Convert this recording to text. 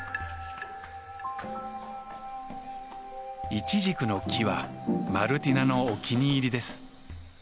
イチジクの木はマルティナのお気に入りです。